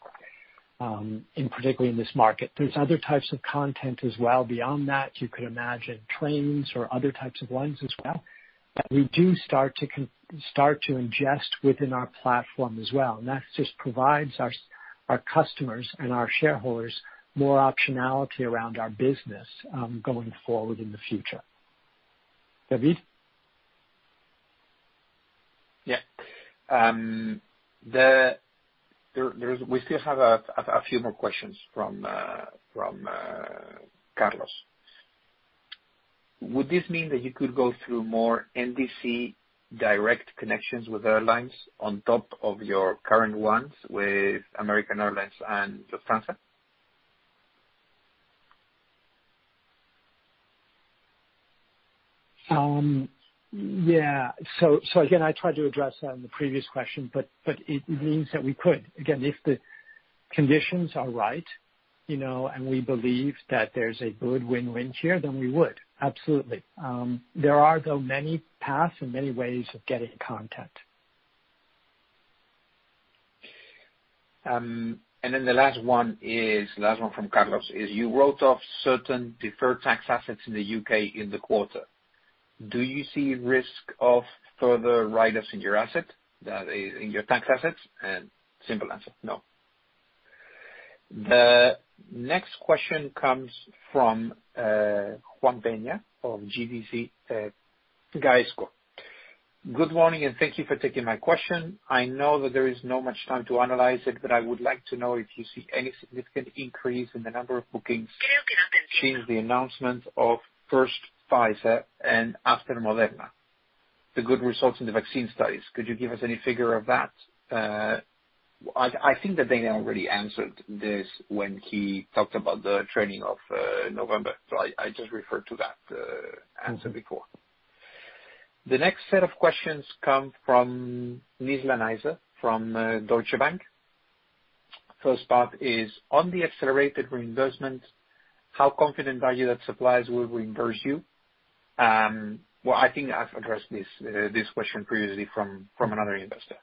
S2: in particular in this market. There's other types of content as well. Beyond that, you could imagine trains or other types of lines as well, that we do start to ingest within our platform as well. That just provides our customers and our shareholders more optionality around our business going forward in the future. David?
S3: We still have a few more questions from Carlos. Would this mean that you could go through more NDC direct connections with airlines on top of your current ones with American Airlines and Lufthansa?
S2: Again, I tried to address that in the previous question, but it means that we could. If the conditions are right and we believe that there's a good win-win here, then we would. Absolutely. There are, though, many paths and many ways of getting content.
S3: The last one from Carlos is, you wrote off certain deferred tax assets in the U.K. in the quarter. Do you see risk of further write-offs in your tax assets? Simple answer, no. The next question comes from Juan Peña of GVC Gaesco. Good morning, and thank you for taking my question. I know that there is not much time to analyze it, but I would like to know if you see any significant increase in the number of bookings since the announcement of first Pfizer and after Moderna, the good results in the vaccine studies. Could you give us any figure of that? I think that Dana already answered this when he talked about the trending of November, so I just refer to that answer before. The next set of questions come from Nizla Naizer from Deutsche Bank. First part is, on the accelerated reimbursement, how confident are you that suppliers will reimburse you? Well, I think I've addressed this question previously from another investor.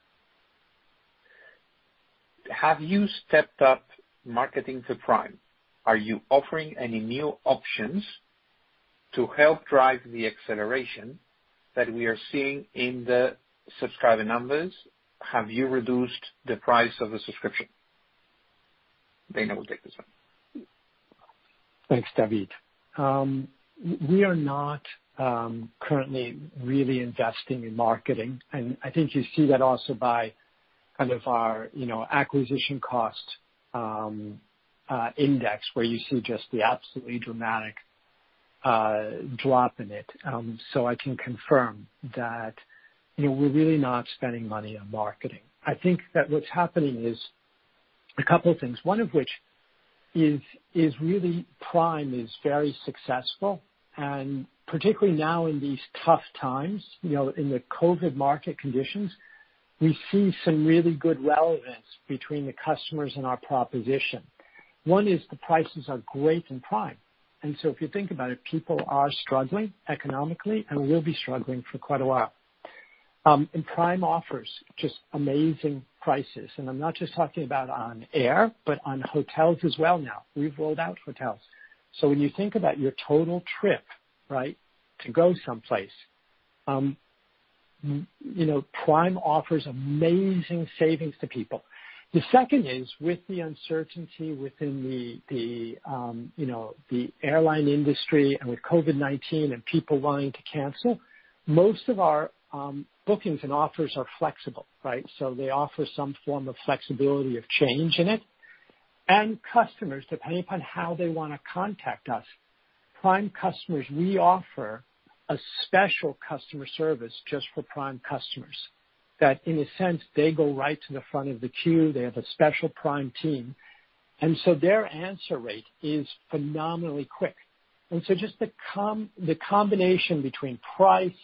S3: Have you stepped up marketing to Prime? Are you offering any new options to help drive the acceleration that we are seeing in the subscriber numbers? Have you reduced the price of a subscription? Dana will take this one.
S2: Thanks, David. We are not currently really investing in marketing, and I think you see that also by our acquisition cost index, where you see just the absolutely dramatic drop in it. I can confirm that we're really not spending money on marketing. I think that what's happening is a couple things. One of which is really Prime is very successful, and particularly now in these tough times, in the COVID-19 market conditions, we see some really good relevance between the customers and our proposition. One is the prices are great in Prime. If you think about it, people are struggling economically and will be struggling for quite a while. Prime offers just amazing prices, and I'm not just talking about on air, but on hotels as well now. We've rolled out hotels. When you think about your total trip to go someplace, Prime offers amazing savings to people. The second is with the uncertainty within the airline industry and with COVID-19 and people wanting to cancel, most of our bookings and offers are flexible. They offer some form of flexibility of change in it. Customers, depending upon how they want to contact us, Prime customers, we offer a special customer service just for Prime customers, that in a sense, they go right to the front of the queue. They have a special Prime team. Their answer rate is phenomenally quick. Just the combination between price,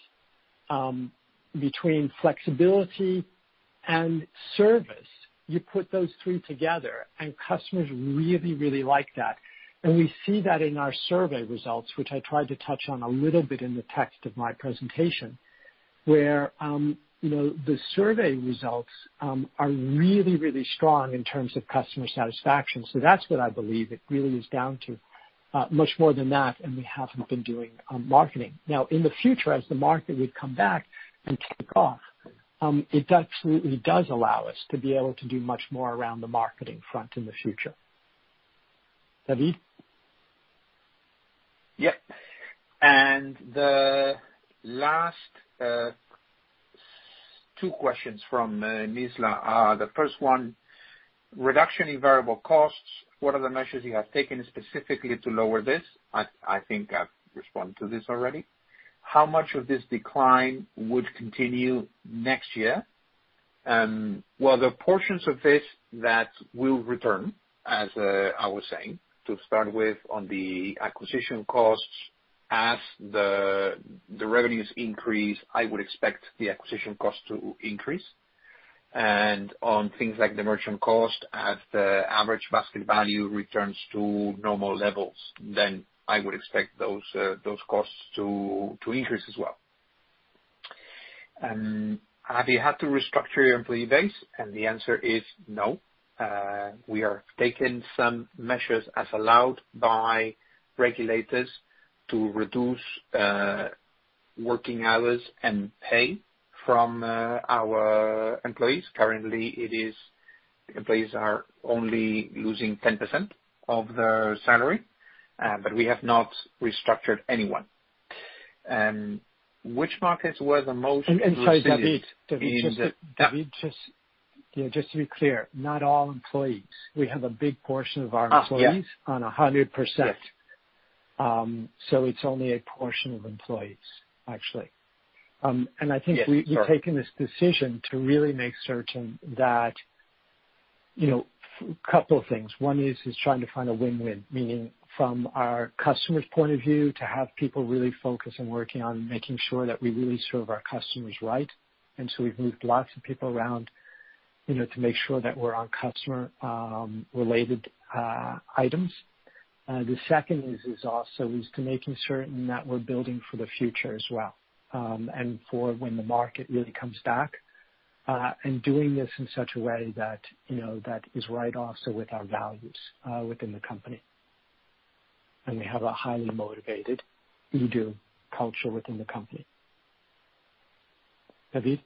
S2: between flexibility, and service, you put those three together, and customers really, really like that. We see that in our survey results, which I tried to touch on a little bit in the text of my presentation, where the survey results are really, really strong in terms of customer satisfaction. That's what I believe it really is down to, much more than that, and we haven't been doing marketing. Now, in the future, as the market would come back and take off, it absolutely does allow us to be able to do much more around the marketing front in the future. David?
S3: Yep. The last two questions from Nizla. The first one, reduction in variable costs. What are the measures you have taken specifically to lower this? I think I've responded to this already. How much of this decline would continue next year? Well, the portions of this that will return, as I was saying, to start with on the acquisition costs, as the revenues increase, I would expect the acquisition cost to increase. On things like the merchant cost, as the average basket value returns to normal levels, then I would expect those costs to increase as well. Have you had to restructure your employee base? The answer is no. We are taking some measures as allowed by regulators to reduce working hours and pay from our employees. Currently, employees are only losing 10% of their salary. We have not restructured anyone. Which markets were the most-
S2: Sorry, David. David, just to be clear, not all employees. We have a big portion of our employees.
S3: Yeah.
S2: on 100%.
S3: Yes.
S2: It's only a portion of employees, actually.
S3: Yes, sorry.
S2: I think we've taken this decision to really make certain. A couple of things. One is trying to find a win-win, meaning from our customer's point of view, to have people really focused on working on making sure that we really serve our customers right. We've moved lots of people around to make sure that we're on customer-related items. The second is also to making certain that we're building for the future as well, and for when the market really comes back, and doing this in such a way that is right also with our values within the company. We have a highly motivated, we do, culture within the company. David?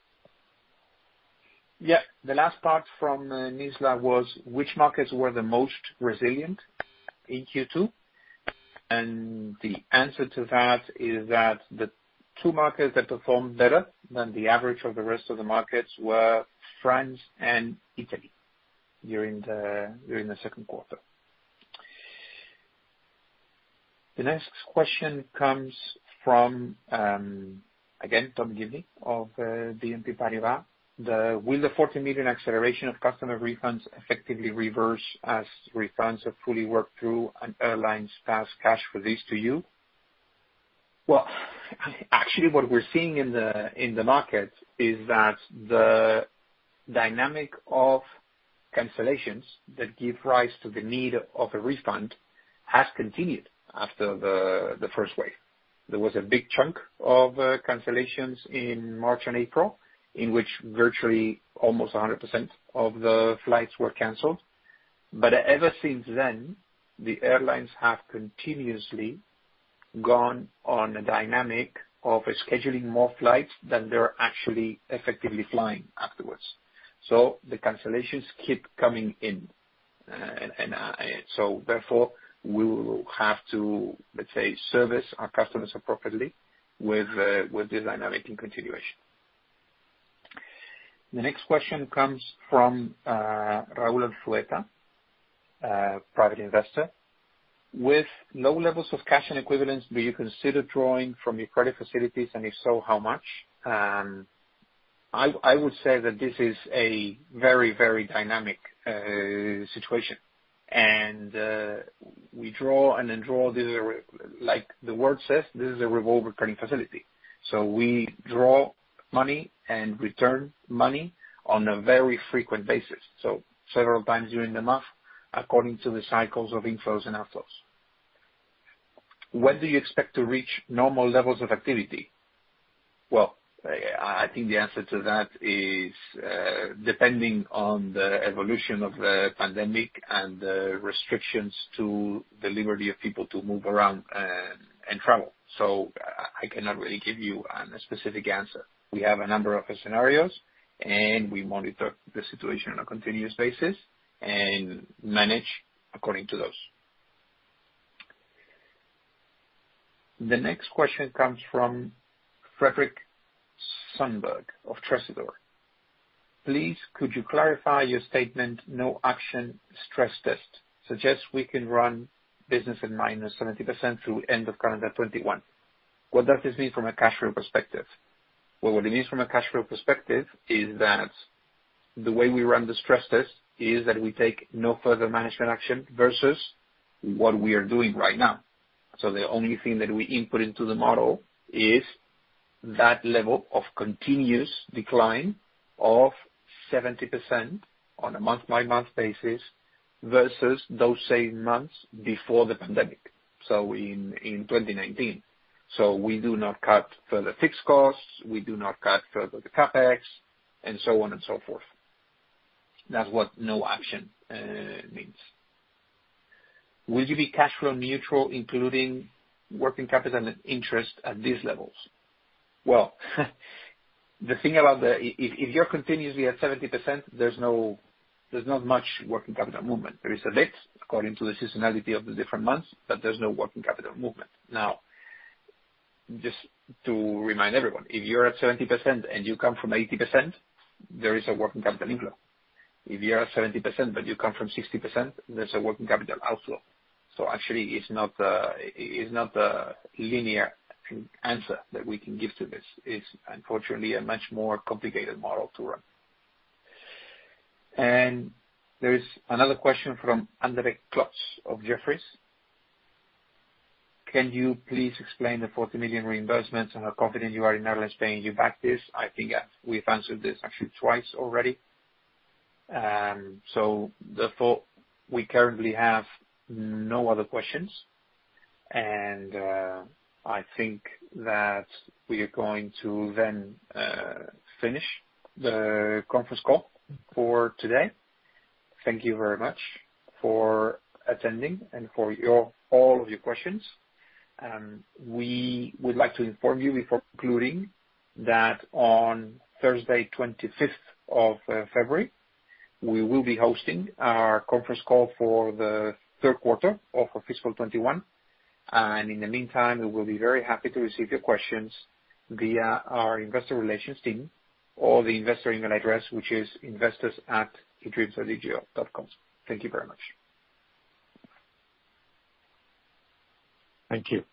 S3: Yeah. The last part from Nizla was which markets were the most resilient in Q2? The answer to that is that the two markets that performed better than the average of the rest of the markets were France and Italy during the second quarter. The next question comes from, again, Tom Gibney of BNP Paribas. Will the 40 million acceleration of customer refunds effectively reverse as refunds have fully worked through and airlines pass cash release to you? Well, actually what we're seeing in the market is that the dynamic of cancellations that give rise to the need of a refund has continued after the first wave. There was a big chunk of cancellations in March and April, in which virtually almost 100% of the flights were canceled. Ever since then, the airlines have continuously gone on a dynamic of scheduling more flights than they're actually effectively flying afterwards. The cancellations keep coming in. Therefore, we will have to, let's say, service our customers appropriately with this dynamic in continuation. The next question comes from Raul Flueta, private investor. With low levels of cash and equivalents, do you consider drawing from your credit facilities, and if so, how much? I would say that this is a very dynamic situation. We draw and then draw. Like the word says, this is a revolving credit facility. We draw money and return money on a very frequent basis, so several times during the month, according to the cycles of inflows and outflows. When do you expect to reach normal levels of activity? I think the answer to that is, depending on the evolution of the pandemic and the restrictions to the liberty of people to move around and travel. I cannot really give you a specific answer. We have a number of scenarios, and we monitor the situation on a continuous basis and manage according to those. The next question comes from Frederick Sundberg of Tresidder. Please could you clarify your statement, no action stress test suggests we can run business at minus 70% through end of calendar 2021. What does this mean from a cash flow perspective? What it means from a cash flow perspective is that the way we run the stress test is that we take no further management action versus what we are doing right now. The only thing that we input into the model is that level of continuous decline of 70% on a month-by-month basis versus those same months before the pandemic, in 2019. We do not cut further fixed costs, we do not cut further the CapEx, and so on and so forth. That's what no action means. Will you be cash flow neutral, including working capital interest at these levels? Well, if you're continuously at 70%, there's not much working capital movement. There is a lift according to the seasonality of the different months, but there's no working capital movement. Now, just to remind everyone, if you're at 70% and you come from 80%, there is a working capital inflow. If you are at 70% but you come from 60%, there's a working capital outflow. Actually, it's not a linear answer that we can give to this. It's unfortunately a much more complicated model to run. There is another question from Andre Klotz of Jefferies. Can you please explain the 40 million reimbursements and how confident you are in airlines paying you back this? I think we've answered this actually twice already. Therefore, we currently have no other questions. I think that we are going to then finish the conference call for today. Thank you very much for attending and for all of your questions. We would like to inform you before concluding that on Thursday, 25th of February, we will be hosting our conference call for the third quarter of FY 2021. In the meantime, we will be very happy to receive your questions via our investor relations team or the investor email address, which is investors@edreamsodigeo.com. Thank you very much.
S2: Thank you.